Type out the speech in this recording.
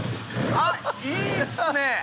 あっいいっすね。